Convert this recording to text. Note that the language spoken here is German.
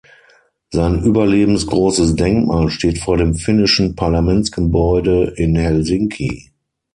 Sein überlebensgroßes Denkmal steht vor dem finnischen Parlamentsgebäude in Helsinki.